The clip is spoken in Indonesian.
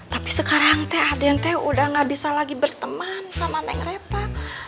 tapi sekarang aden udah nggak bisa lagi berteman sama neng repa